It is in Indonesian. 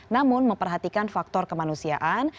namun memperhatikan faktor kemanusiaan